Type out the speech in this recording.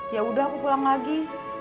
ya udah aku pulang lagi